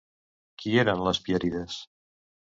Qui eren les Pièrides?